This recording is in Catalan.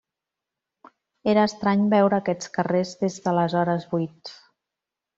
Era estrany veure aquests carrers des d’aleshores buits.